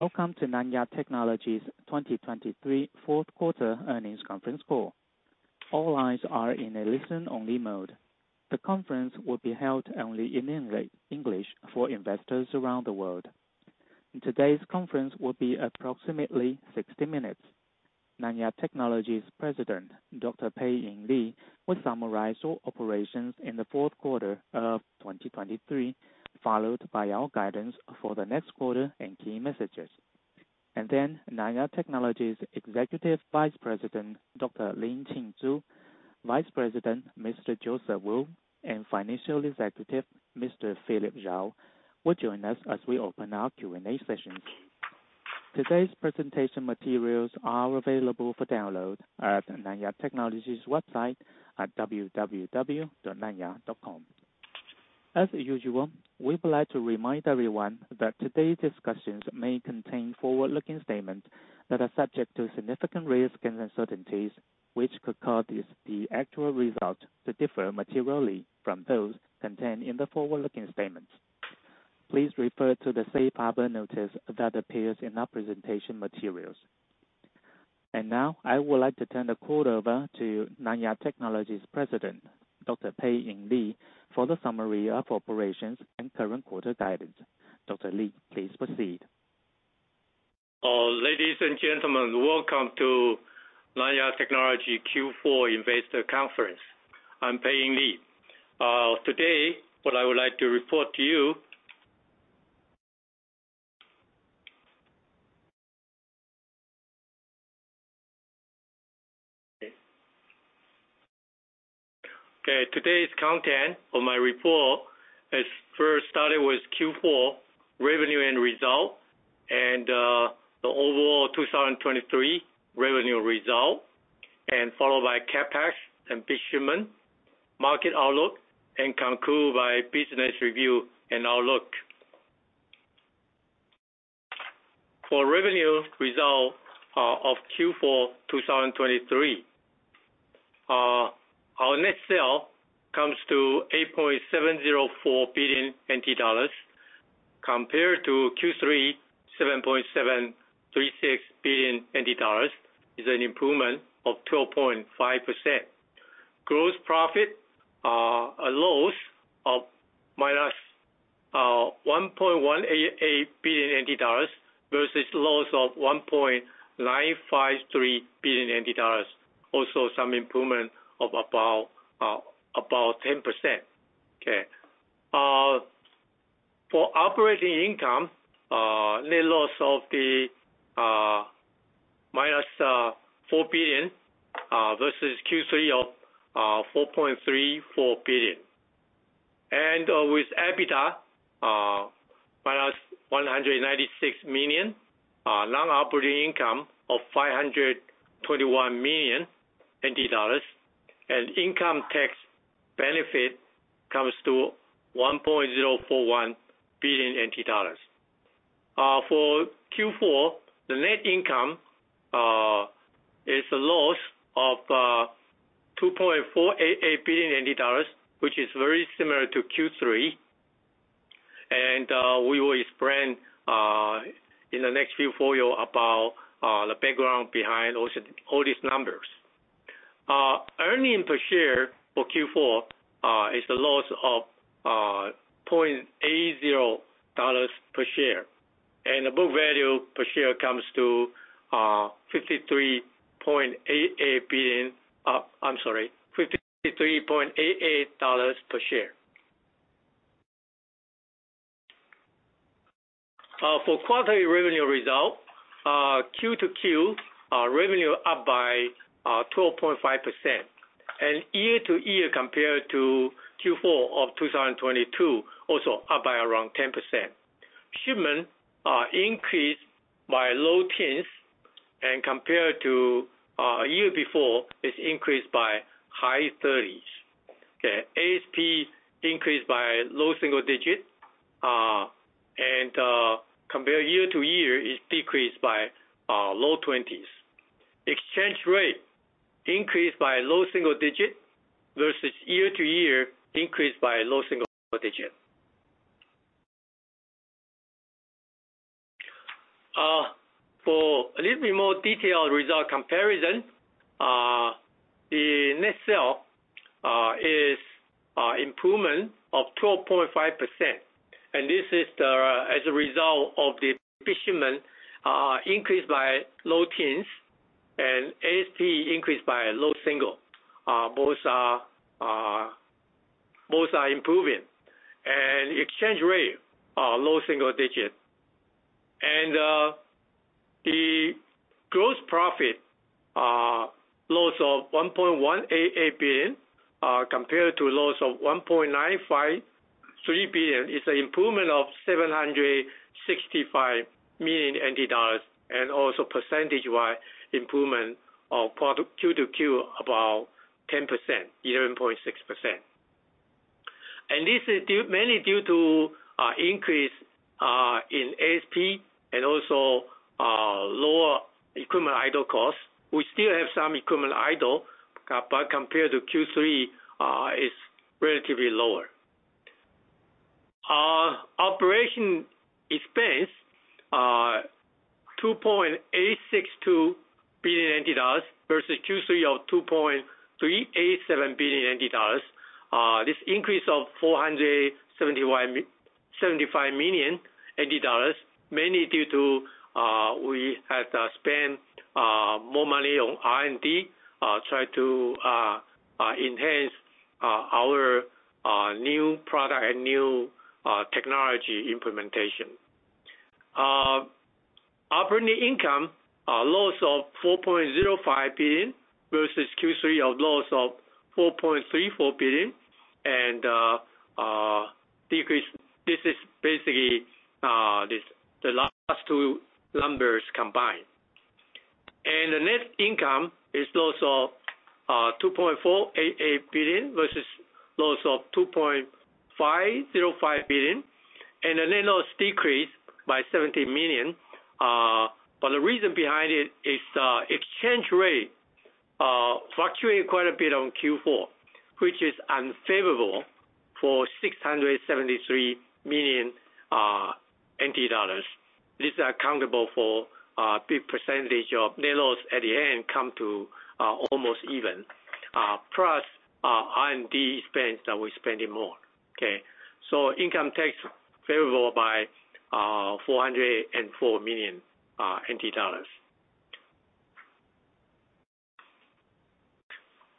Welcome to Nanya Technology's 2023 fourth quarter earnings conference call. All lines are in a listen-only mode. The conference will be held only in English for investors around the world. Today's conference will be approximately 60 minutes. Nanya Technology's President, Dr. Pei-Ing Lee, will summarize all operations in the fourth quarter of 2023, followed by our guidance for the next quarter and key messages. Then Nanya Technology's Executive Vice President, Dr. Lin-Chin Su, Vice President, Mr. Joseph Wu, and Financial Executive, Mr. Philip Jao, will join us as we open our Q&A session. Today's presentation materials are available for download at Nanya Technology's website at www.nanya.com. As usual, we would like to remind everyone that today's discussions may contain forward-looking statements that are subject to significant risks and uncertainties, which could cause the actual results to differ materially from those contained in the forward-looking statements. Please refer to the safe harbor notice that appears in our presentation materials. Now I would like to turn the call over to Nanya Technology's President, Dr. Pei-Ing Lee, for the summary of operations and current quarter guidance. Dr. Lee, please proceed. Ladies and gentlemen, welcome to Nanya Technology Q4 investor conference. I'm Pei-Ing Lee. Today, what I would like to report to you... Okay, today's content of my report is first started with Q4 revenue and results, and the overall 2023 revenue results, and followed by CapEx and shipment, market outlook, and conclude by business review and outlook. For revenue results, of Q4 2023, our net sale comes to 8.704 billion NT dollars, compared to Q3, 7.736 billion NT dollars, is an improvement of 12.5%. Gross profit, a loss of -1.188 billion NT dollars, versus loss of 1.953 billion NT dollars. Also, some improvement of about 10%. Okay. For operating income, net loss of -4 billion versus Q3 of 4.34 billion. With EBITDA -196 million, non-operating income of 521 million TWD, and income tax benefit comes to 1.041 billion TWD. For Q4, the net income is a loss of 2.488 billion dollars, which is very similar to Q3, and we will explain in the next few folio about the background behind all these numbers. Earnings per share for Q4 is a loss of 0.80 dollars per share, and the book value per share comes to 53.88 billion. I'm sorry, 53.88 dollars per share. For quarterly revenue results, Q-to-Q, revenue up by 12.5%. Year-to-year, compared to Q4 of 2022, also up by around 10%. Shipments are increased by low teens, and compared to a year before, it's increased by high thirties. Okay. ASP increased by low single digits, and compared year-to-year, it's decreased by low twenties. Exchange rate increased by low single digit, versus year-to-year, increased by a low single digit. For a little bit more detailed result comparison, the net sales is improvement of 12.5%, and this is, as a result, of the shipment increased by low teens and ASP increased by a low single. Both are improving. And exchange rate are low single digits. The gross profit loss of 1.188 billion, compared to a loss of 1.953 billion, is an improvement of 765 million NT dollars, and also percentage-wise, improvement of product quarter-over-quarter, about 10%, 11.6%. And this is due, mainly due to, increase in ASP and also, lower equipment idle costs. We still have some equipment idle, but compared to Q3, it's relatively lower. Operation expense, 2.862 billion NT dollars versus Q3 of 2.387 billion NT dollars. This increase of 475 million dollars, mainly due to, we had to spend more money on R&D, try to enhance our new product and new technology implementation. Operating income, a loss of 4.05 billion versus Q3 of loss of 4.34 billion. And decrease, this is basically this, the last two numbers combined. And the net income is loss of 2.488 billion versus loss of 2.505 billion, and the net loss decreased by 70 million. But the reason behind it is exchange rate fluctuated quite a bit on Q4, which is unfavorable for 673 million NT dollars. This is accountable for a big percentage of net loss at the end, come to almost even, plus R&D expense that we're spending more. Okay? So income tax favorable by 404 million NT dollars.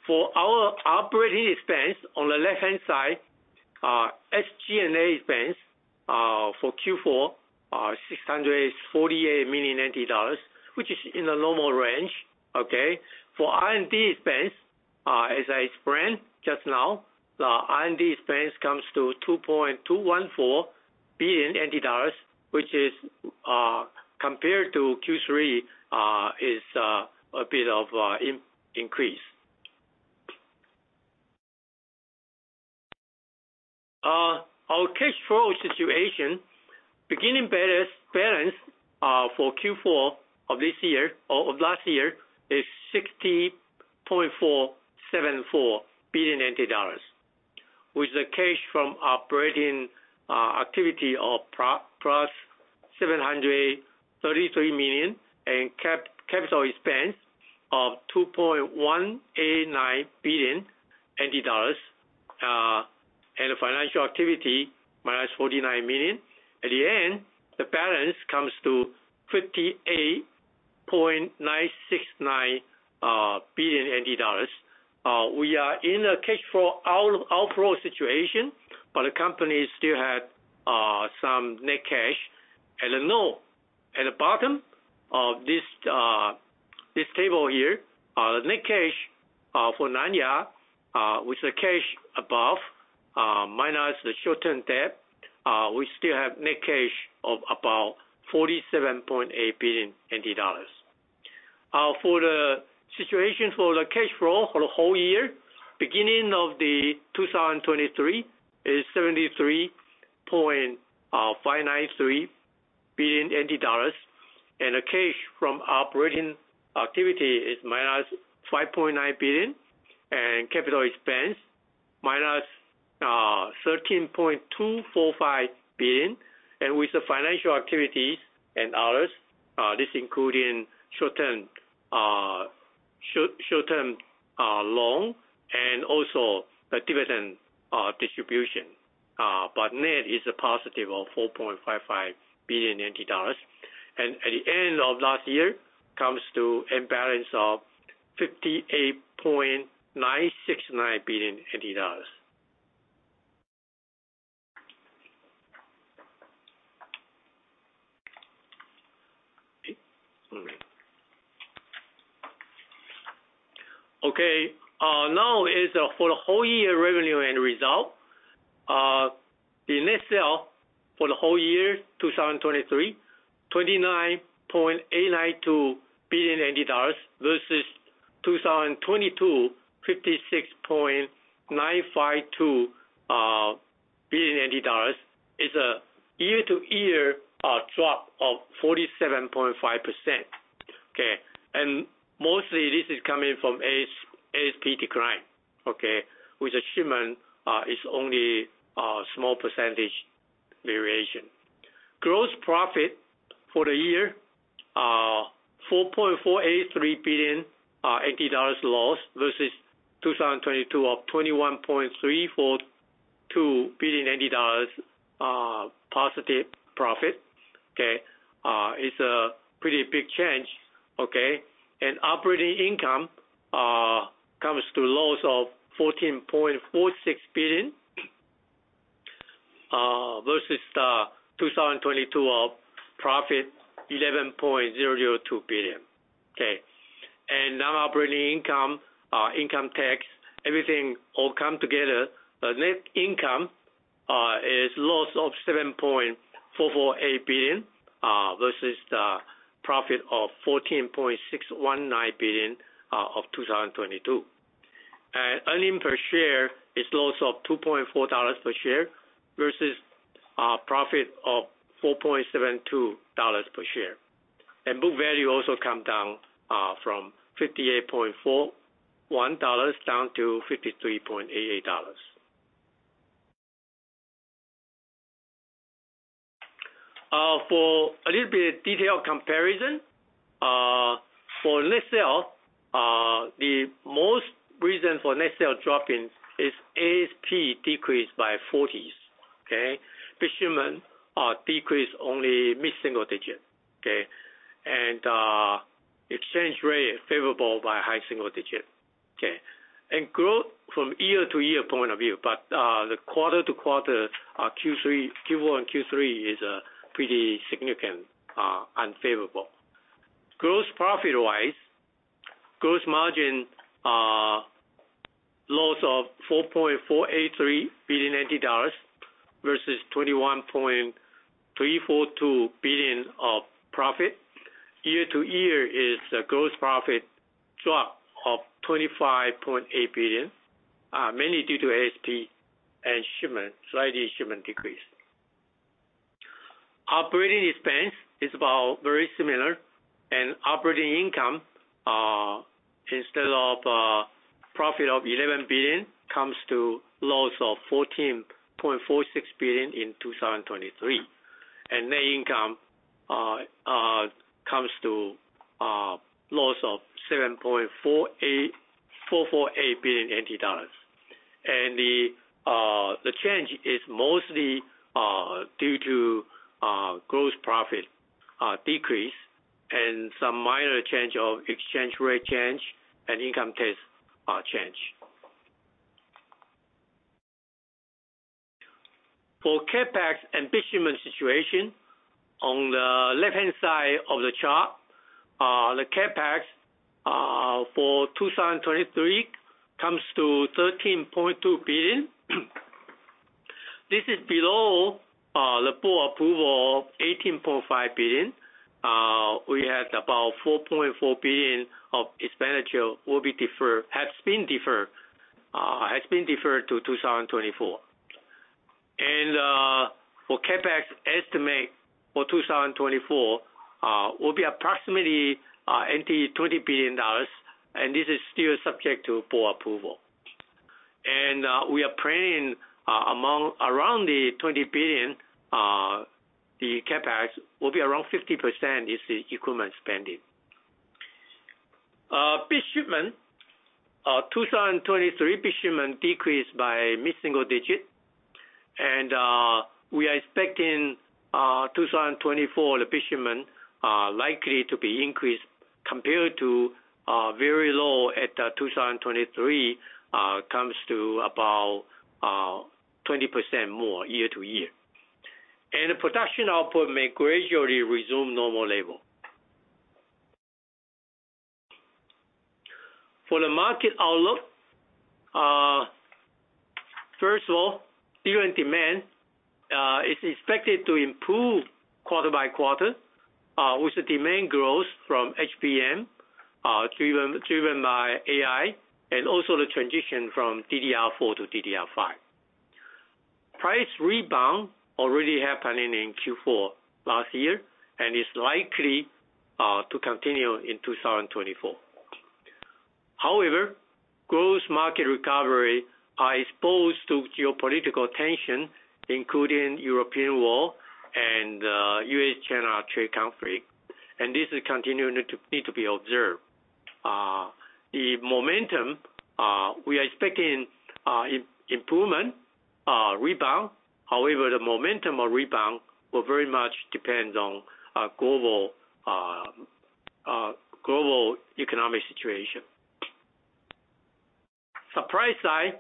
For our operating expense on the left-hand side, our SG&A expense for Q4 is 648 million dollars, which is in the normal range. Okay? For R&D expense, as I explained just now, the R&D expense comes to 2.214 billion dollars, which is, compared to Q3, a bit of an increase. Our cash flow situation, beginning balance for Q4 of this year or of last year, is 60.474 billion NT dollars, with the cash from operating activity of +733 million and capital expense of 2.189 billion NT dollars, and financial activity -49 million. At the end, the balance comes to 58.969 billion NT dollars. We are in a cash flow outflow situation, but the company still had some net cash. At the bottom of this table here, the net cash for Nanya, with the cash above - the short-term debt, we still have net cash of about 47.8 billion NT dollars. For the situation for the cash flow for the whole year, beginning of 2023 is 73.593 billion NT dollars, and the cash from operating activity is -5.9 billion, and capital expense, -13.245 billion. And with the financial activities and others, this including short-term loan and also a dividend distribution, but net is a positive of 4.55 billion NT dollars. At the end of last year, comes to a balance of TWD 58.969 billion. Okay, now is, for the whole year revenue and result. The net sale for the whole year, 2023, TWD 29.892 billion versus 2022, TWD 56.952 billion, is a year-to-year drop of 47.5%. Okay, and mostly this is coming from ASP decline, okay? With the shipment, it's only a small percentage variation. Gross profit for the year are 4.483 billion dollars loss versus 2022 of 21.342 billion dollars positive profit. Okay, it's a pretty big change, okay? Operating income comes to a loss of 14.46 billion versus 2022 of profit 11.002 billion. Okay, and non-operating income, income tax, everything all come together. The net income is a loss of 7.448 billion versus the profit of 14.619 billion of 2022. And earnings per share is a loss of 2.4 dollars per share, versus a profit of 4.72 dollars per share. And book value also comes down from 58.41 dollars down to 53.88 dollars. For a little bit detailed comparison, for net sales, the main reason for net sales dropping is ASP decreased by 40s, okay? Shipment decreased only mid-single digit, okay? Exchange rate is favorable by high single digit, okay. Growth from year-to-year point of view, but the quarter-to-quarter, Q1 and Q3 is pretty significant unfavorable. Gross profit-wise, gross margin, loss of 4.483 billion dollars versus 21.342 billion of profit. Year-to-year is a gross profit drop of 25.8 billion, mainly due to ASP and shipment, slightly shipment decrease. Operating expense is about very similar, and operating income, instead of profit of 11 billion, comes to loss of 14.46 billion in 2023. Net income comes to loss of 7.48448 billion NT dollars. And the change is mostly due to gross profit decrease and some minor change of exchange rate change and income tax change. For CapEx and shipment situation, on the left-hand side of the chart, the CapEx for 2023 comes to 13.2 billion. This is below the board approval of 18.5 billion. We had about 4.4 billion of expenditure has been deferred to 2024. And for CapEx estimate for 2024 will be approximately about $20 billion, and this is still subject to board approval. And we are planning around the $20 billion, the CapEx will be around 50% is the equipment spending. Bit shipment, 2023 shipment decreased by mid-single digit, and we are expecting 2024, the shipment likely to be increased compared to very low at 2023, comes to about 20% more year-to-year. And the production output may gradually resume normal level. For the market outlook, first of all, DRAM demand is expected to improve quarter by quarter, with the demand growth from HBM driven by AI and also the transition from DDR4 to DDR5. Price rebound already happening in Q4 last year, and is likely to continue in 2024. However, growth market recovery are exposed to geopolitical tension, including European War and U.S. China trade conflict, and this is continuing to need to be observed. The momentum we are expecting, improvement, rebound. However, the momentum of rebound will very much depend on global economic situation. Supply side.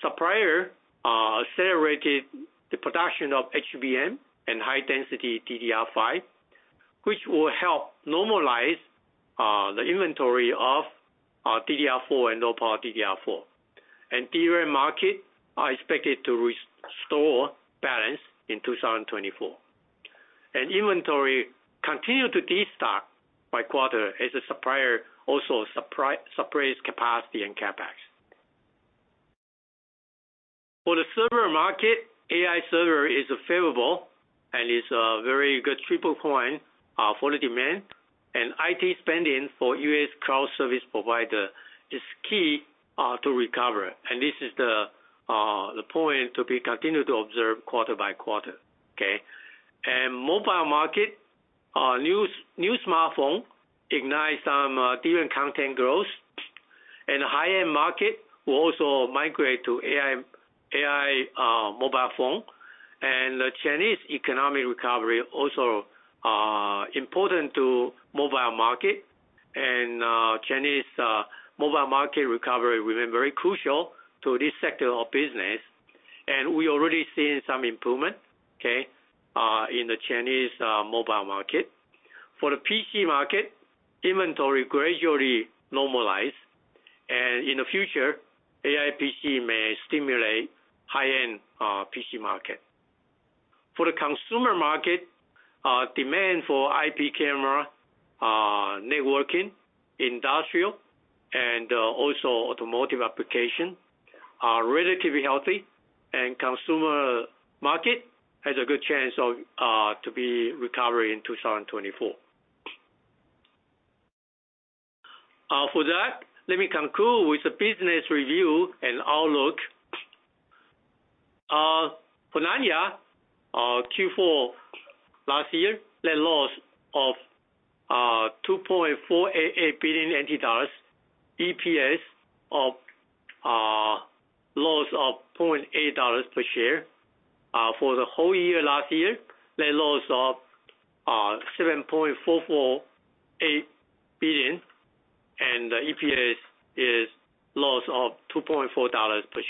Suppliers accelerated the production of HBM and high density DDR5, which will help normalize the inventory of DDR4 and low power DDR4. And DRAM market are expected to restore balance in 2024. And inventory continue to destock by quarter as a supplier, also supply, separates capacity and CapEx. For the server market, AI server is favorable and is a very good triple point for the demand. And IT spending for U.S. cloud service provider is key to recover. And this is the point to be continued to observe quarter by quarter. Okay? Mobile market, new, new smartphone ignite some, DRAM content growth, and high-end market will also migrate to AI, AI mobile phone. The Chinese economic recovery also important to mobile market and, Chinese, mobile market recovery remain very crucial to this sector of business, and we already seeing some improvement, okay, in the Chinese, mobile market. For the PC market, inventory gradually normalize, and in the future, AI PC may stimulate high-end, PC market. For the consumer market, demand for IP camera, networking, industrial, and, also automotive application are relatively healthy, and consumer market has a good chance of, to be recovering in 2024. For that, let me conclude with the business review and outlook. For Nanya, Q4 last year, net loss of 2.48 billion NT dollars. EPS of loss of 0.8 dollars per share. For the whole year, last year, net loss of 7.448 billion, and EPS is loss of 2.4 dollars per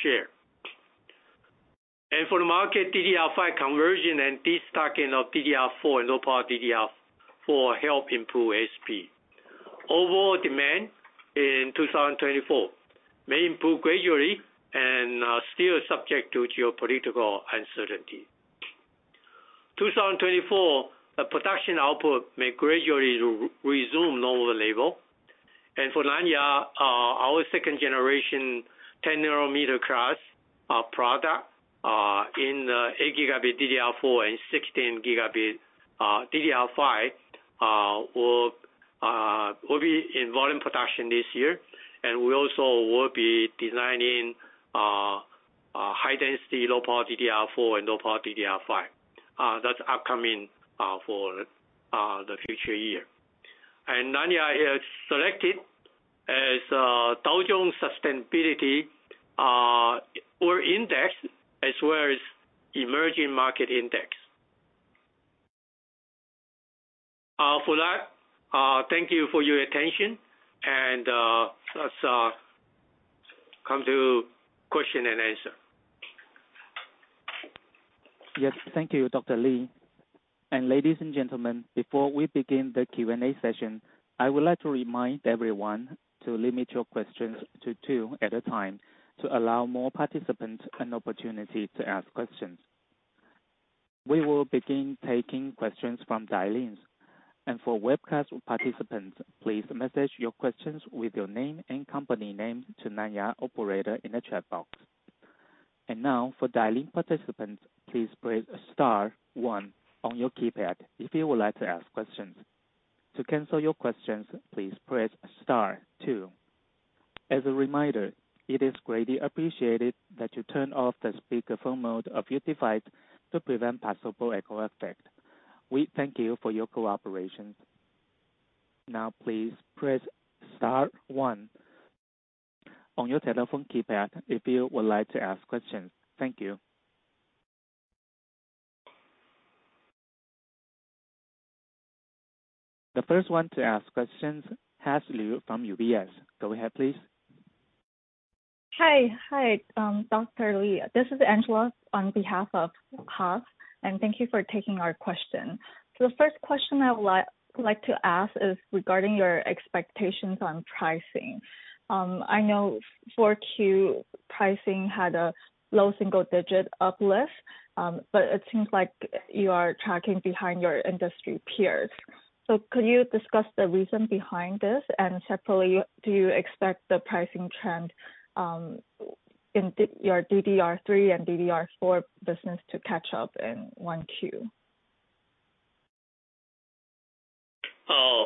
share. For the market, DDR5 conversion and destocking of DDR4 and low-power DDR4 help improve ASP. Overall demand in 2024 may improve gradually and still subject to geopolitical uncertainty. 2024, the production output may gradually resume normal level. For Nanya, our second generation, 10nm-class product in the 8Gb DDR4 and 16Gb DDR5 will be in volume production this year. And we also will be designing a high density, low-power DDR4 and low-power DDR5. That's upcoming for the future year. Nanya is selected as Dow Jones Sustainability Index, as well as Emerging Market Index. For that, thank you for your attention and let's come to question and answer. Yes. Thank you, Dr. Lee. Ladies and gentlemen, before we begin the Q&A session, I would like to remind everyone to limit your questions to two at a time, to allow more participants an opportunity to ask questions. We will begin taking questions from dial-ins, and for webcast participants, please message your questions with your name and company name to Nanya operator in the chat box. Now, for dial-in participants, please press star one on your keypad if you would like to ask questions. To cancel your questions, please press star two. As a reminder, it is greatly appreciated that you turn off the speakerphone mode of your device, to prevent possible echo effect. We thank you for your cooperation. Now, please press star one on your telephone keypad if you would like to ask questions. Thank you. The first one to ask questions, Haas Liu from UBS. Go ahead, please. Hi. Hi, Dr. Lee. This is Angela on behalf of Haas Liu, and thank you for taking our question. So the first question I would like, like to ask is regarding your expectations on pricing. I know 4Q pricing had a low single-digit uplift, but it seems like you are tracking behind your industry peers. So could you discuss the reason behind this? And separately, do you expect the pricing trend in your DDR3 and DDR4 business to catch up in 1Q? Oh,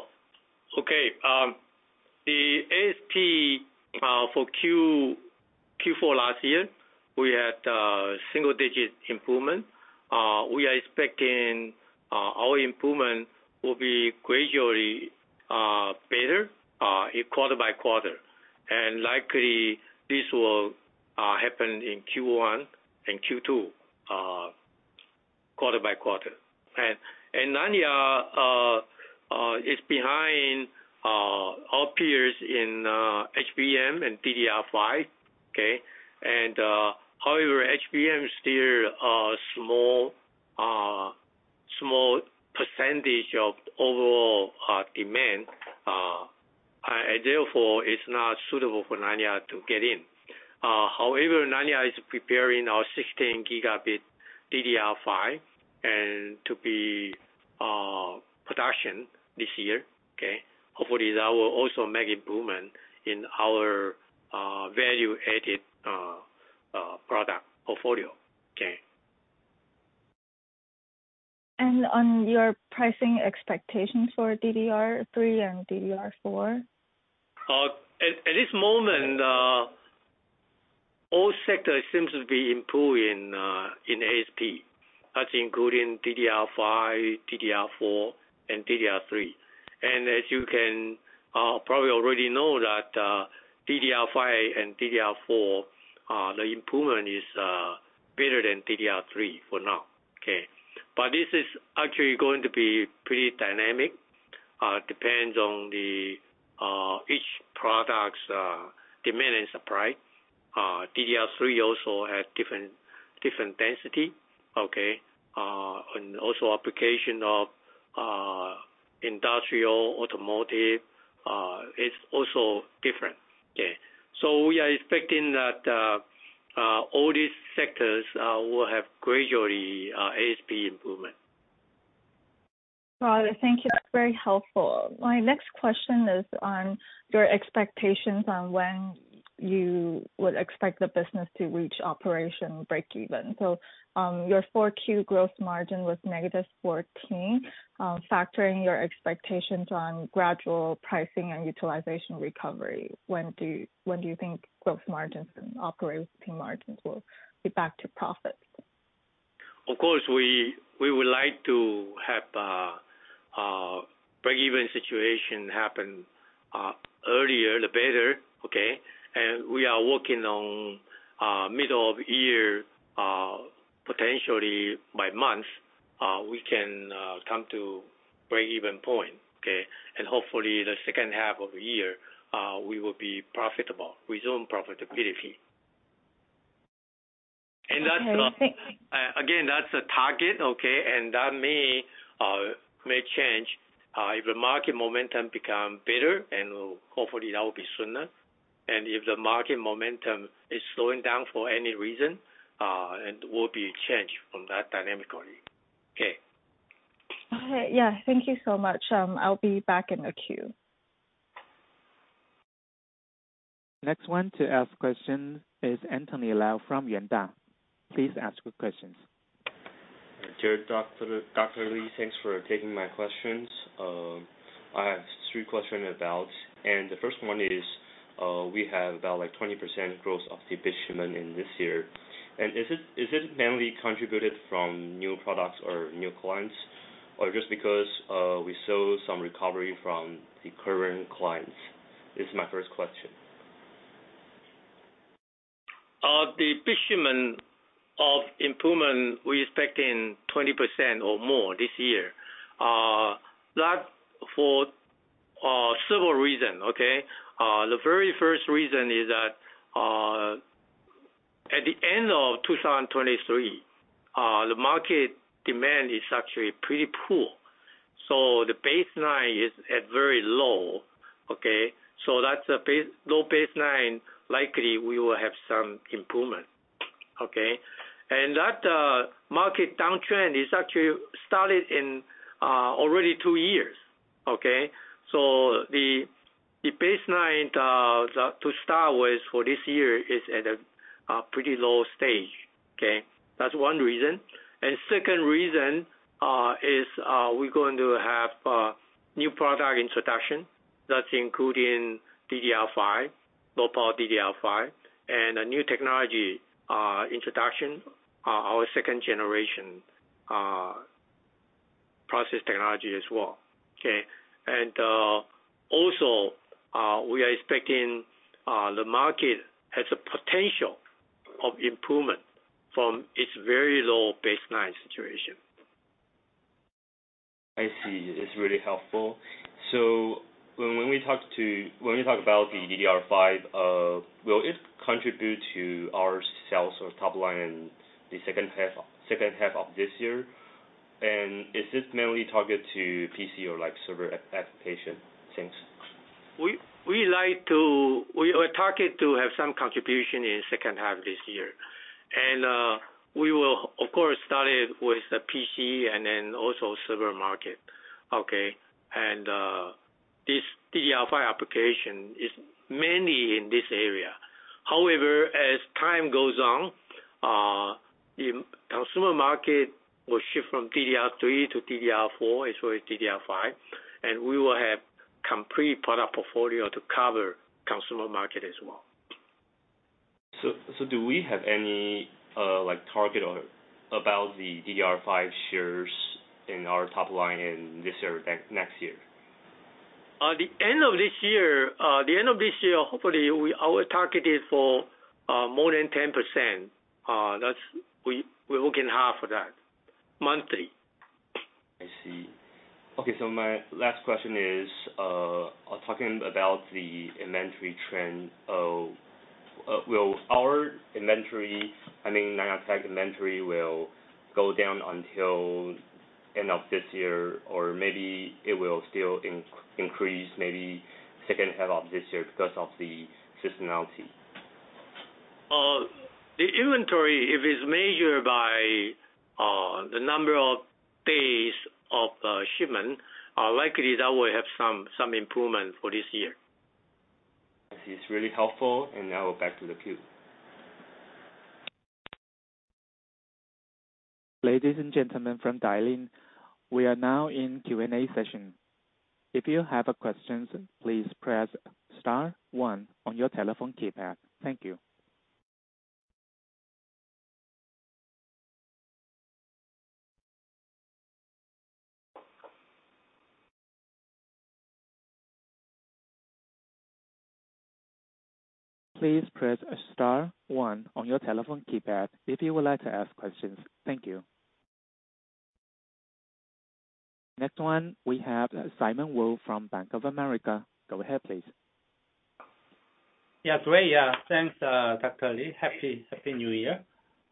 okay. The ASP for Q4 last year, we had single-digit improvement. We are expecting our improvement will be gradually better quarter by quarter, and likely this will happen in Q1 and Q2 quarter by quarter. Nanya is behind our peers in HBM and DDR5, okay? However, HBM is still a small percentage of overall demand and therefore is not suitable for Nanya to get in. However, Nanya is preparing our 16 Gb DDR5 and to be production this year, okay? Hopefully, that will also make improvement in our value-added product portfolio. Okay. On your pricing expectations for DDR3 and DDR4? At this moment, all sectors seems to be improving in ASP, that's including DDR5, DDR4, and DDR3. And as you can probably already know, that DDR5 and DDR4, the improvement is better than DDR3 for now. Okay? But this is actually going to be pretty dynamic, depends on the each product's demand and supply. DDR3 also has different, different density, okay? And also application of industrial, automotive is also different. Okay, so we are expecting that all these sectors will have gradually ASP improvement.... Well, thank you. That's very helpful. My next question is on your expectations on when you would expect the business to reach operating breakeven. So, your 4Q gross margin was -14%. Factoring your expectations on gradual pricing and utilization recovery, when do you think gross margins and operating margins will be back to profit? Of course, we would like to have a breakeven situation happen earlier, the better, okay? And we are working on middle of year, potentially by month, we can come to breakeven point, okay? And hopefully, the second half of the year, we will be profitable, resume profitability. And that's again, that's a target, okay? And that may change if the market momentum become better, and hopefully that will be sooner. And if the market momentum is slowing down for any reason, it will be changed from that dynamically. Okay. Okay. Yeah. Thank you so much. I'll be back in the queue. Next one to ask question is Anthony Lau from Yuanta. Please ask your questions. Dear Dr., Dr. Lee, thanks for taking my questions. I have three question about... The first one is, we have about like 20% growth of the business in this year. Is it, is it mainly contributed from new products or new clients, or just because, we saw some recovery from the current clients? This is my first question. The business of improvement, we expecting 20% or more this year. That's for several reasons, okay? The very first reason is that, at the end of 2023, the market demand is actually pretty poor, so the baseline is at very low, okay? So that's a base, low baseline, likely we will have some improvement. Okay? And that market downtrend is actually started in already two years, okay? So the baseline to start with for this year is at a pretty low stage. Okay? That's one reason. And second reason is, we're going to have new product introduction that's including DDR5, low-power DDR5, and a new technology introduction, our second generation process technology as well. Okay? Also, we are expecting the market has a potential of improvement from its very low baseline situation. I see. It's really helpful. So when we talk about the DDR5, will it contribute to our sales or top line in the second half of this year? And is this mainly targeted to PC or like server application? Thanks. We are targeting to have some contribution in the second half of this year. We will, of course, start it with the PC and then also server market. Okay? This DDR5 application is mainly in this area. However, as time goes on, the consumer market will shift from DDR3 to DDR4, as well as DDR5, and we will have complete product portfolio to cover consumer market as well. So, do we have any, like, target or about the DDR5 shares in our top line in this year, next year? The end of this year, hopefully, our target is for more than 10%. That's we, we working hard for that, monthly. I see. Okay, so my last question is, talking about the inventory trend. Will our inventory, I mean, Nanya Tech inventory, will go down until end of this year, or maybe it will still increase, maybe second half of this year because of the seasonality? The inventory, if it's measured by the number of days of shipment, likely that will have some improvement for this year. It's really helpful, and now we're back to the queue. Ladies and gentlemen from dial-in, we are now in Q&A session. If you have a question, please press star one on your telephone keypad. Thank you. Please press star one on your telephone keypad if you would like to ask questions. Thank you. Next one, we have Simon Woo from Bank of America. Go ahead, please. Yeah, great. Thanks, Dr. Lee. Happy, happy New Year.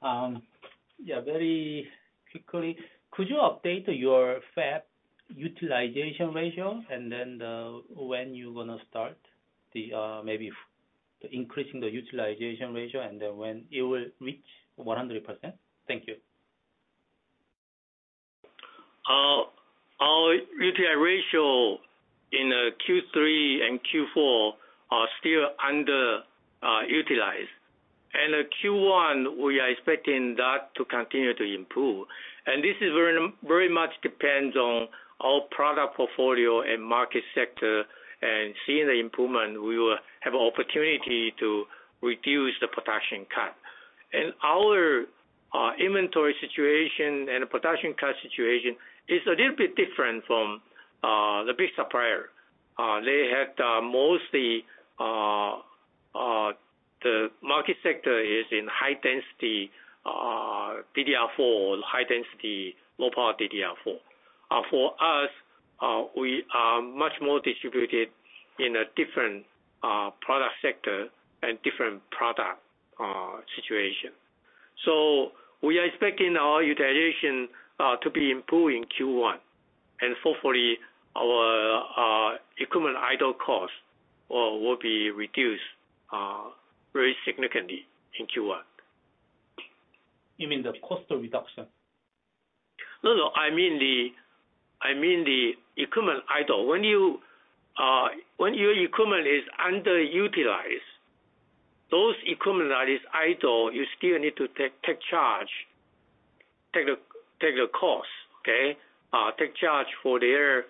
Yeah, very quickly, could you update your fab utilization ratio, and then, when you're gonna start the, maybe increasing the utilization ratio and then when it will reach 100%? Thank you. Our UTI ratio in Q3 and Q4 are still underutilized. In Q1, we are expecting that to continue to improve. And this is very, very much depends on our product portfolio and market sector, and seeing the improvement, we will have opportunity to reduce the production cut. And our inventory situation and production cut situation is a little bit different from the big supplier. They had mostly the market sector is in high density DDR4, high density, low power DDR4. For us, we are much more distributed in a different product sector and different product situation. So we are expecting our utilization to be improved in Q1, and hopefully our equipment idle cost will be reduced very significantly in Q1. You mean the cost of reduction? No, no, I mean the, I mean the equipment idle. When you, when your equipment is underutilized, those equipment that is idle, you still need to take, take charge, take the, take the cost. Okay? Take charge for their,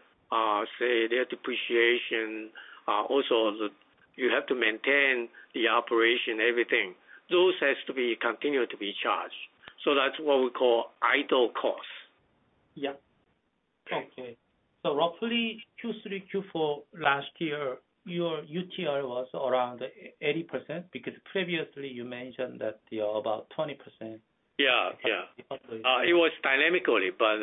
say, their depreciation. Also, the, you have to maintain the operation, everything. Those has to be continued to be charged. So that's what we call idle costs. Yeah. Okay. So roughly Q3, Q4 last year, your UTI was around 80%, because previously you mentioned that you are about 20%. Yeah, yeah. Okay. It was dynamically, but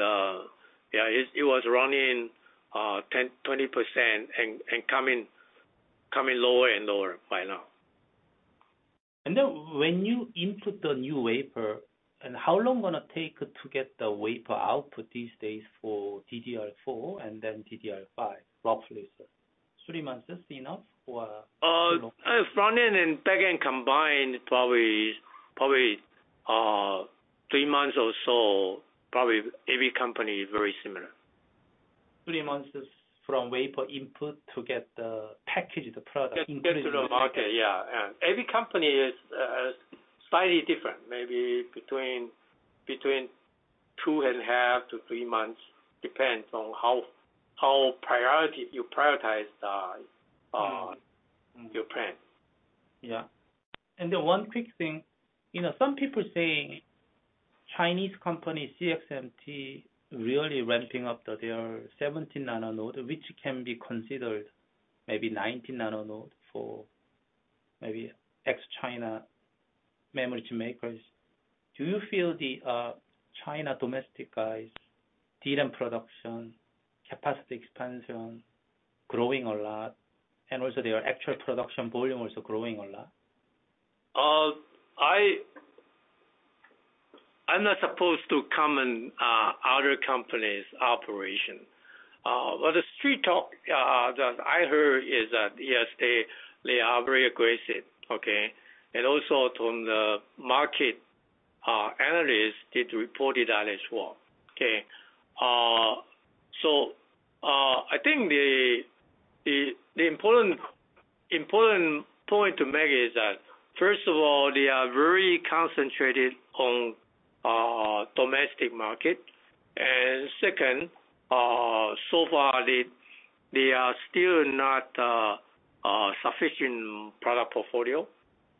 yeah, it was running 10%-20%, and coming lower and lower by now. And then when you input the new wafer, and how long it gonna take to get the wafer output these days for DDR4 and then DDR5, roughly, sir? Three months is enough, or... Front-end and back-end combined, probably, probably, three months or so. Probably every company is very similar. Three months from wafer input to get the packaged product. Get to the market. Yeah. Every company is slightly different, maybe between 2 and a half to three months, depends on how priority you prioritize. Mm-hmm... your plan. Yeah. And then one quick thing, you know, some people saying Chinese company, CXMT, really ramping up their 17 nano node, which can be considered maybe 19 nano node for maybe ex-China memory makers. Do you feel the China domestic guys DRAM production, capacity expansion, growing a lot, and also their actual production volume also growing a lot? I'm not supposed to comment other company's operation. But the street talk that I heard is that, yes, they are very aggressive. Okay? And also from the market, analysts did report it out as well. Okay, so I think the important point to make is that, first of all, they are very concentrated on domestic market. And second, so far, they are still not sufficient product portfolio.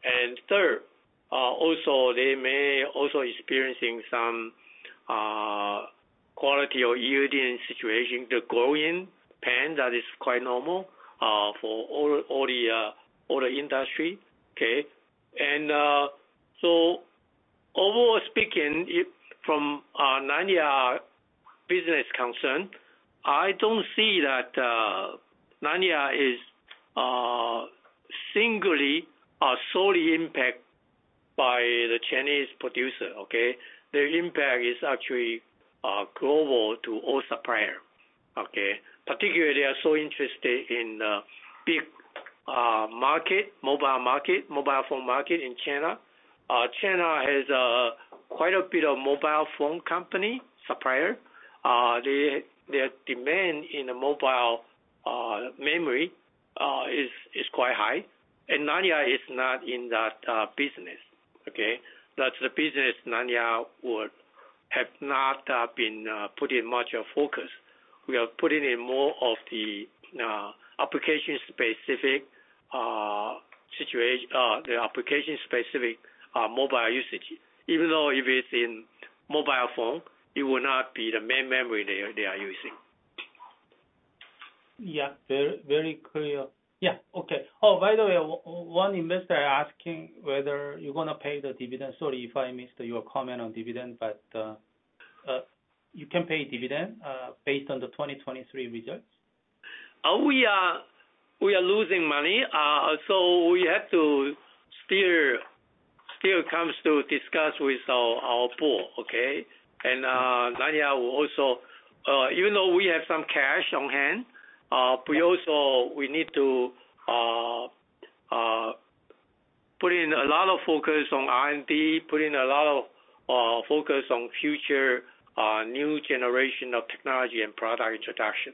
And third, also they may also experiencing some quality or yielding situation, the growing pain that is quite normal for all the industry. Okay? And so overall speaking, it from Nanya business concern, I don't see that Nanya is singularly or solely impacted by the Chinese producer, okay? Their impact is actually global to all suppliers. Okay? Particularly, they are so interested in big market, mobile market, mobile phone market in China. China has quite a bit of mobile phone companies, suppliers. Their demand in the mobile memory is quite high, and Nanya is not in that business. Okay? That's the business Nanya would have not been putting much focus. We are putting in more of the application-specific situation, the application-specific mobile usage. Even though if it's in mobile phone, it will not be the main memory they are using. Yeah, very, very clear. Yeah. Okay. Oh, by the way, one investor asking whether you're going to pay the dividend. Sorry if I missed your comment on dividend, but you can pay dividend based on the 2023 results? We are losing money, so we have to still come to discuss with our board, okay? And Nanya will also, even though we have some cash on hand, we also need to put in a lot of focus on R&D, put in a lot of focus on future new generation of technology and product introduction.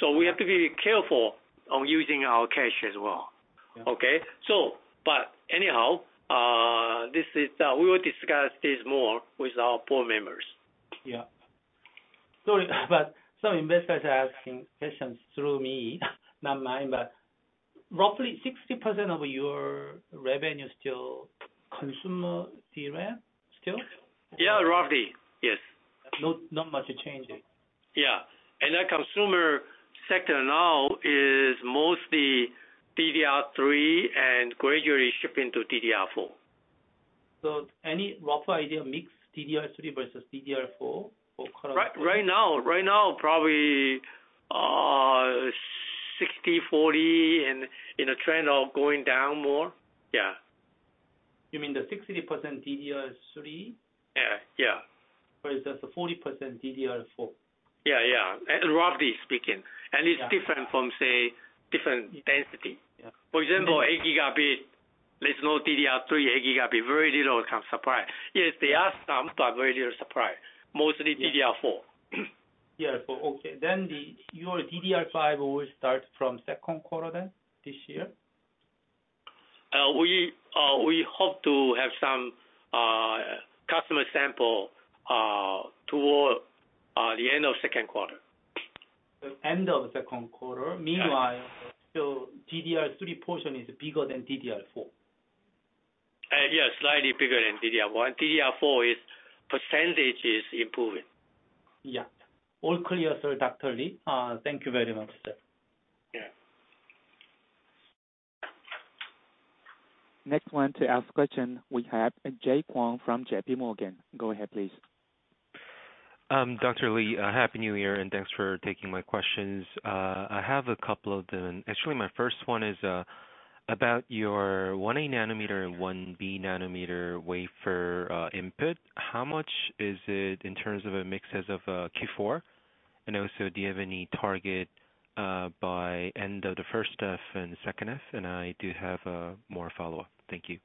So we have to be careful on using our cash as well. Yeah. Okay? So, but anyhow, this is, we will discuss this more with our board members. Yeah. Sorry, but some investors are asking questions through me, not mine, but roughly 60% of your revenue is still consumer DRAM, still? Yeah, roughly. Yes. Not much changing. Yeah. And that consumer sector now is mostly DDR3 and gradually shipping to DDR4. Any rough idea, mix DDR3 versus DDR4 for current- Right now, right now, probably, 60/40, and in a trend of going down more. Yeah. You mean the 60% DDR3? Yeah, yeah. Whereas just the 40% DDR4. Yeah, yeah, roughly speaking. Yeah. It's different from, say, different density. Yeah. For example, 8 Gb, there's no DDR3 8 Gb, very little can supply. Yes, there are some, but very little supply, mostly DDR4. Yeah. So, okay. Then, your DDR5 will start from second quarter then, this year? We hope to have some customer sample toward the end of second quarter. The end of second quarter. Yeah. Meanwhile, so DDR3 portion is bigger than DDR4? Yes, slightly bigger than DDR4. DDR4 is, percentage is improving. Yeah. All clear, Sir, Dr. Lee. Thank you very much, sir. Yeah. Next one to ask question, we have Jay Kwon from JPMorgan. Go ahead, please. Dr. Lee, Happy New Year, and thanks for taking my questions. I have a couple of them. Actually, my first one is about your 1A nanometer and 1B nanometer wafer input. How much is it in terms of a mix as of Q4? And also, do you have any target by end of the first half and second half? And I do have more follow-up. Thank you.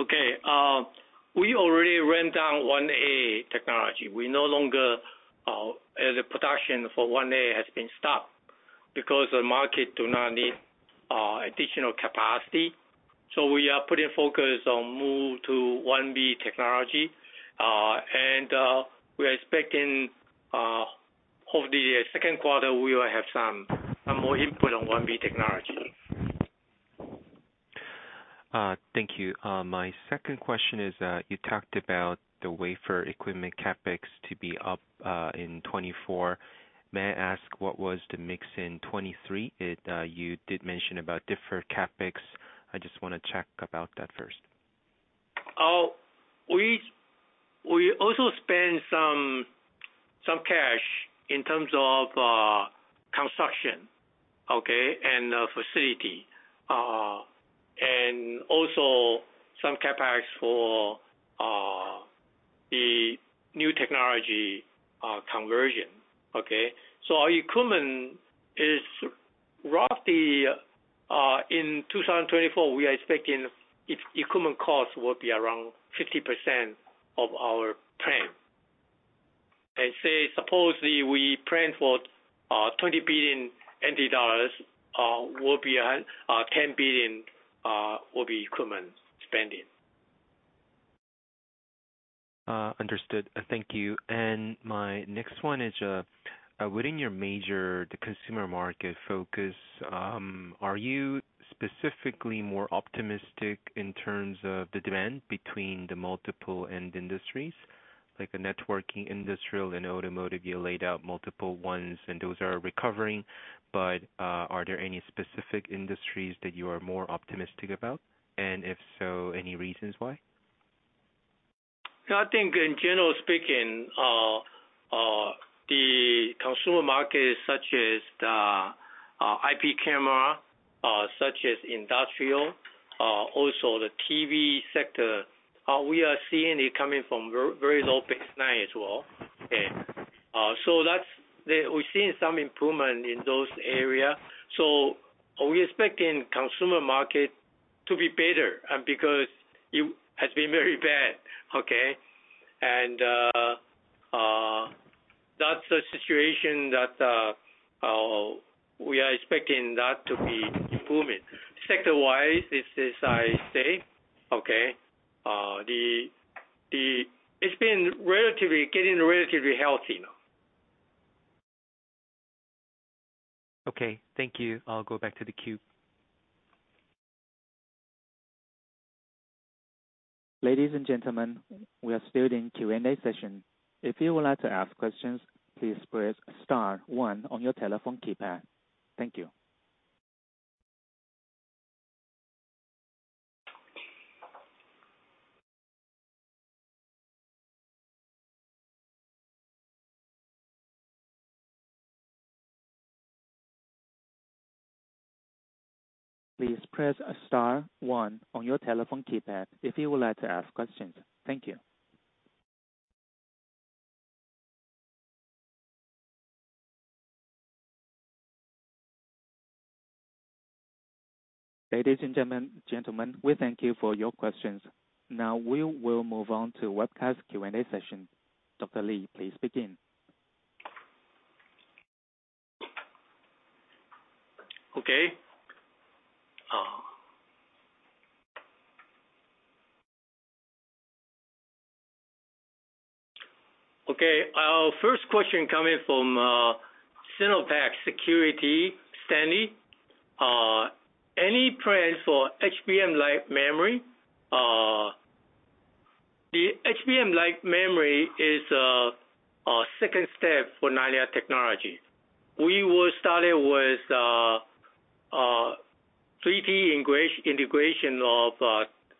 Okay. We already ramped down 1A technology. We no longer, the production for 1A has been stopped because the market do not need additional capacity. So we are putting focus on move to 1B technology. And, we are expecting, of the second quarter, we will have some, a more input on 1B technology. Thank you. My second question is, you talked about the wafer equipment CapEx to be up, in 2024. May I ask, what was the mix in 2023? It, you did mention about different CapEx. I just want to check about that first. Oh, we also spent some cash in terms of construction, okay, and facility, and also some CapEx for the new technology conversion. Okay? So our equipment is roughly in 2024, we are expecting its equipment cost will be around 50% of our plan. Let's say, supposedly, we plan for 20 billion NT dollars, will be on 10 billion will be equipment spending. Understood. Thank you. And my next one is, within your major, the consumer market focus, are you specifically more optimistic in terms of the demand between the multiple end industries, like the networking, industrial and automotive? You laid out multiple ones, and those are recovering, but, are there any specific industries that you are more optimistic about? And if so, any reasons why? I think in general speaking, the consumer market, such as the IP camera, such as industrial, also the TV sector, we are seeing it coming from very low baseline as well. Okay. So that's the. We're seeing some improvement in those area. So we're expecting consumer market to be better, because it has been very bad. Okay? And that's the situation that we are expecting that to be improving. Sector-wise, It's been relatively getting relatively healthy now. Okay. Thank you. I'll go back to the queue. Ladies and gentlemen, we are still in Q&A session. If you would like to ask questions, please press star one on your telephone keypad. Thank you.... Please press star one on your telephone keypad if you would like to ask questions. Thank you. Ladies and gentlemen, gentlemen, we thank you for your questions. Now we will move on to webcast Q&A session. Dr. Lee, please begin. Okay. Okay, our first question coming from SinoPac Securities, Stanley. Any plans for HBM-like memory? The HBM-like memory is a second step for Nanya Technology. We will start it with three D integration of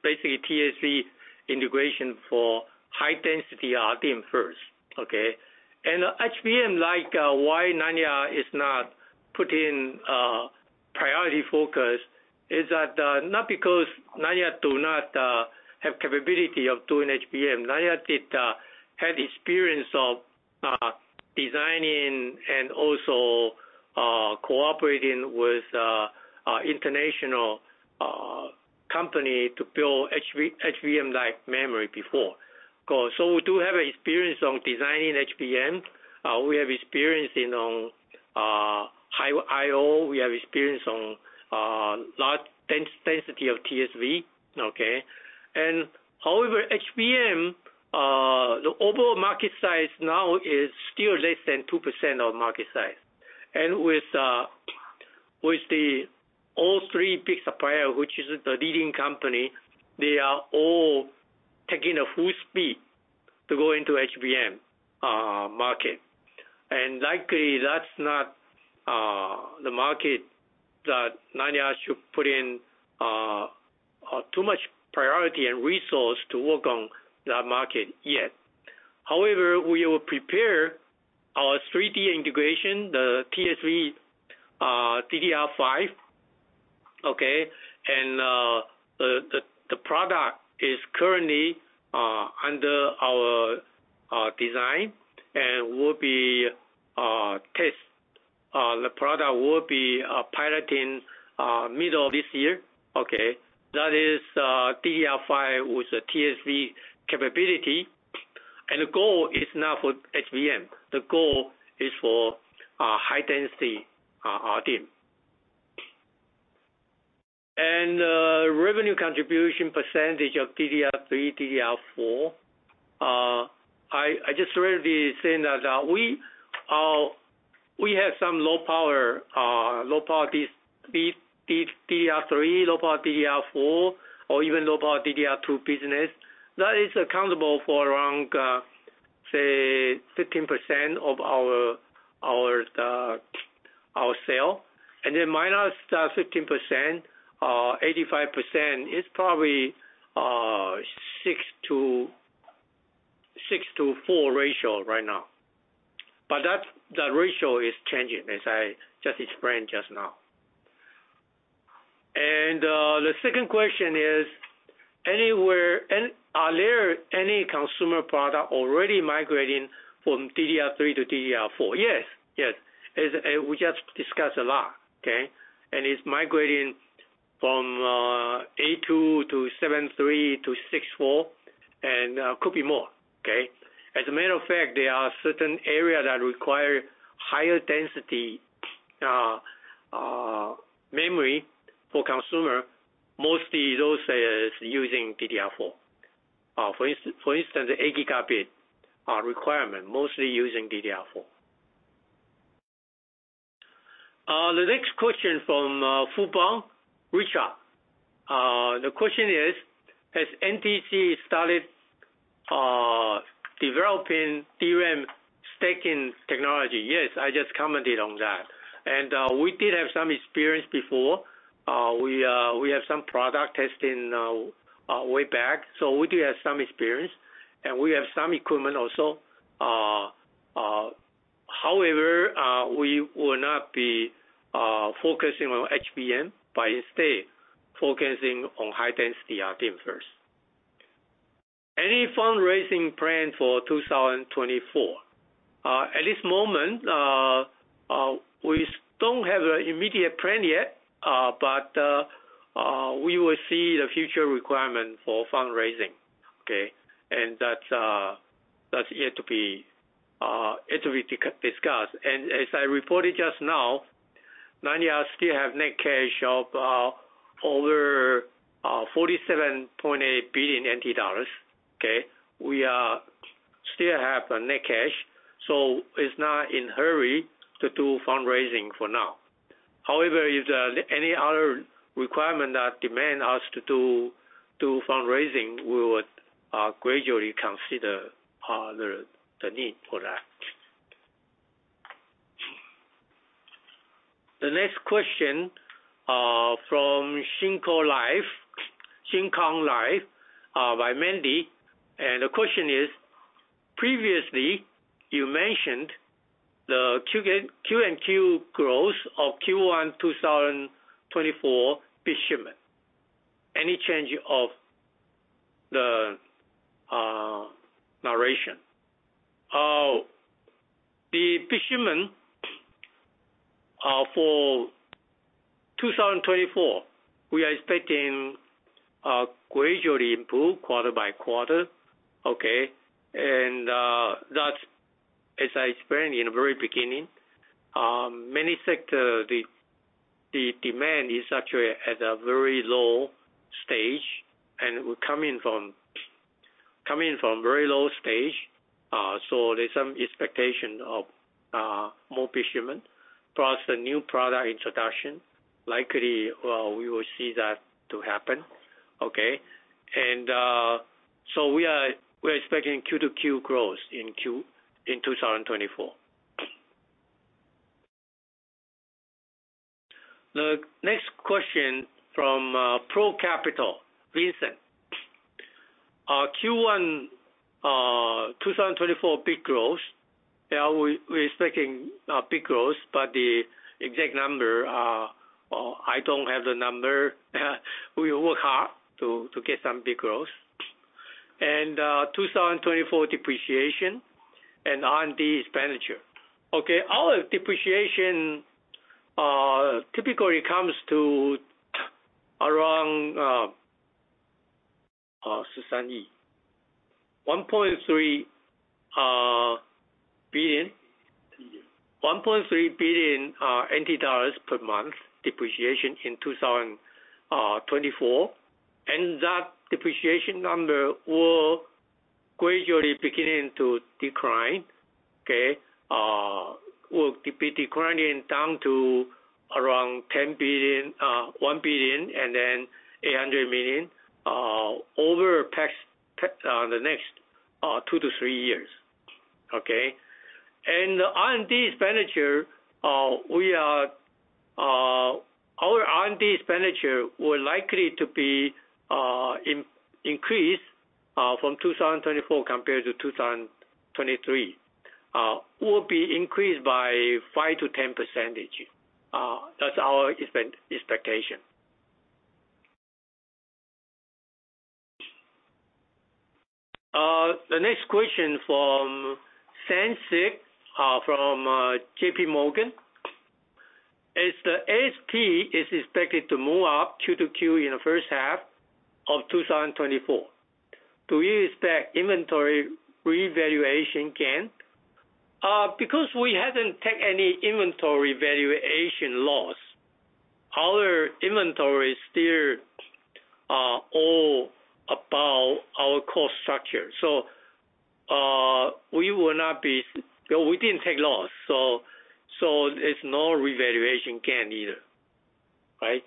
basically TSV integration for high density RDIMM first, okay? And HBM, like, why Nanya is not putting priority focus is that not because Nanya do not have capability of doing HBM. Nanya did have experience of designing and also cooperating with a international company to build HBM-like memory before. So we do have experience on designing HBM. We have experience in on high I/O, we have experience on large density of TSV, okay? And however, HBM the overall market size now is still less than 2% of market size. With the all three big supplier, which is the leading company, they are all taking a full speed to go into HBM market. And likely, that's not the market that Nanya should put in too much priority and resource to work on that market yet. However, we will prepare our 3D integration, the TSV, DDR5, okay? And the product is currently under our design and will be test. The product will be piloting middle of this year. Okay. That is, DDR5 with a TSV capability, and the goal is not for HBM. The goal is for high density RDIMM. Revenue contribution percentage of DDR3, DDR4. I just read the same that we have some low power DDR3, low power DDR4, or even low power DDR2 business. That is accountable for around, say, 15% of our sales, and then -15%, 85% is probably six to four ratio right now. But that ratio is changing, as I just explained just now. And the second question is, anywhere... And are there any consumer product already migrating from DDR3 to DDR4? Yes, yes. As we just discussed a lot, okay? And it's migrating from eight to two to seven to three to six to four, and could be more, okay? As a matter of fact, there are certain areas that require higher density memory for consumer, mostly those using DDR4. For instance, the 8 Gb requirement, mostly using DDR4. The next question from Fubon, Richard. The question is, has NTC started developing DRAM stacking technology? Yes, I just commented on that. And we did have some experience before. We have some product testing way back, so we do have some experience, and we have some equipment also. However, we will not be focusing on HBM, but instead focusing on high-density RDIMM first. Any fundraising plan for 2024? At this moment, we don't have an immediate plan yet, but we will see the future requirement for fundraising, okay? That's yet to be discussed. And as I reported just now, Nanya still have net cash of over 47.8 billion NT dollars, okay? We still have net cash, so it's not in hurry to do fundraising for now. However, if there's any other requirement that demand us to do fundraising, we would gradually consider the need for that. The next question, Shin Kong Life by Mandy. And the question is: Previously, you mentioned the QoQ growth of Q1 2024 shipment. Any change of the narration? The shipment for 2024, we are expecting gradually improve quarter by quarter, okay? And that's, as I explained in the very beginning, memory sector, the demand is actually at a very low stage, and it will come in from very low stage. So there's some expectation of more shipment, plus the new product introduction. Likely, we will see that to happen. Okay. And so we are, we're expecting Q-to-Q growth in Q1 2024. The next question from Pro Capital, Vincent. Q1 2024 big growth. Yeah, we, we're expecting big growth, but the exact number, well, I don't have the number. We will work hard to get some big growth. And 2024 depreciation and R&D expenditure. Okay, our depreciation typically comes to around NT$ 1.3 billion. 1.3 billion TWD per month depreciation in 2024. And that depreciation number will gradually begin to decline. Okay? Will be declining down to around 10 billion, one billion and then 800 million over next, the next, two to three years. Okay? And the R&D expenditure, our R&D expenditure will likely to be increased from 2024 compared to 2023. Will be increased by 5%-10%. That's our expectation. The next question from Sansik from JPMorgan. As the SP is expected to move up Q-to-Q in the first half of 2024, do you expect inventory revaluation gain? Because we haven't taken any inventory valuation loss, our inventory is still all about our cost structure. So, we will not be... We didn't take loss, so there's no revaluation gain either. Right?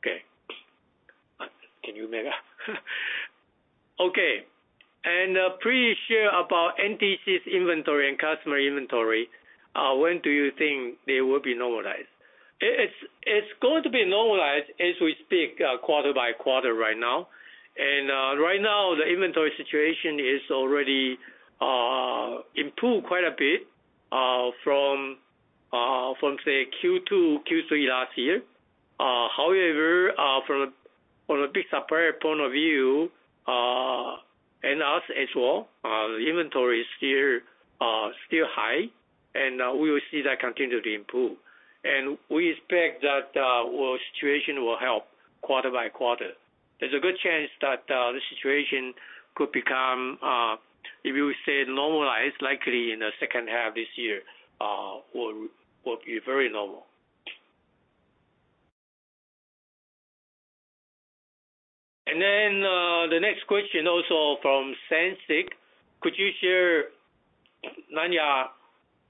Okay. Can you make up? Okay, and please share about NTC's inventory and customer inventory. When do you think they will be normalized? It's going to be normalized as we speak, quarter by quarter right now. And right now, the inventory situation is already improved quite a bit from, say, Q2, Q3 last year. However, from a big supplier point of view, and us as well, the inventory is still high, and we will see that continue to improve. And we expect that well, situation will help quarter by quarter. There's a good chance that, the situation could become, if you say, normalized, likely in the second half this year, will, will be very normal. And then, the next question, also from Sansik: Could you share Nanya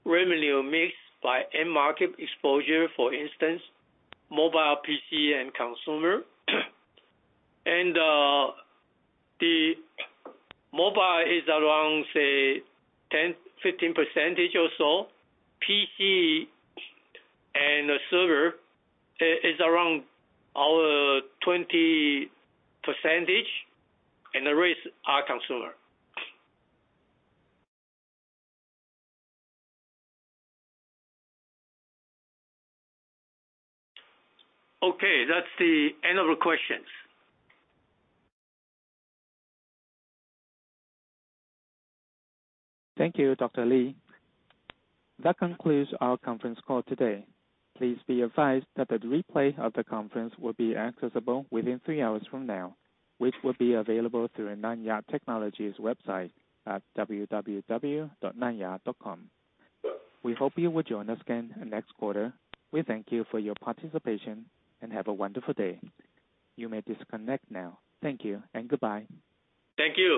revenue mix by end market exposure, for instance, mobile, PC, and consumer? And, the mobile is around, say, 10%-15% or so. PC and server is, is around our 20%, and the rest are consumer. Okay, that's the end of the questions. Thank you, Dr. Lee. That concludes our conference call today. Please be advised that the replay of the conference will be accessible within three hours from now, which will be available through the Nanya Technology's website at www.nanya.com. We hope you will join us again next quarter. We thank you for your participation and have a wonderful day. You may disconnect now. Thank you and goodbye. Thank you.